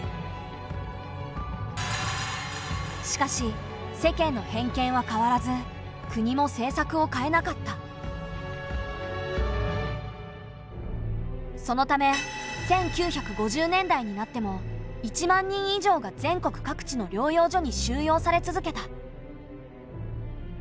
しかし世間の偏見は変わらずそのため１９５０年代になっても１万人以上が全国各地の療養所に収容され続けた。